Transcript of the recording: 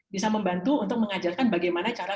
bisa membantu untuk mengajarkan bagaimana cara